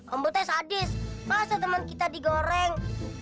ambu tuh sadis masa temen kita digoreng